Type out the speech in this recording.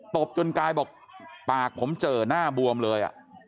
ตบจนกายบอกปากผมเจอหน้าบวมเลย